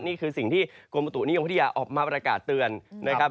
นี่คือสิ่งที่กรมบุตุนิยมวิทยาออกมาประกาศเตือนนะครับ